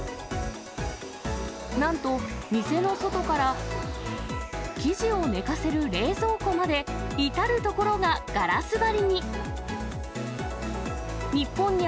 なんと、店の外から生地を寝かせる冷蔵庫まで、至る所がガラス張りに。